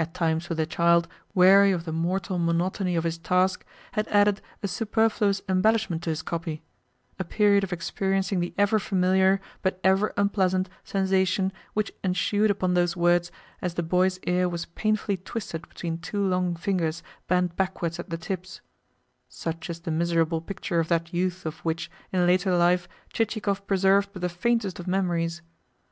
at times when the child, weary of the mortal monotony of his task, had added a superfluous embellishment to his copy; a period of experiencing the ever familiar, but ever unpleasant, sensation which ensued upon those words as the boy's ear was painfully twisted between two long fingers bent backwards at the tips such is the miserable picture of that youth of which, in later life, Chichikov preserved but the faintest of memories!